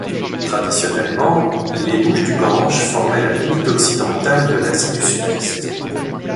Traditionnellement, les bouches du Gange formaient la limite occidentale de l'Asie du Sud-Est.